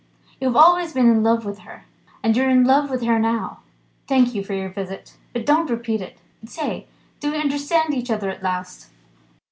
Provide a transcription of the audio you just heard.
You have always been in love with her and you're in love with her now. Thank you for your visit, but don't repeat it. Say! do we understand each other at last?"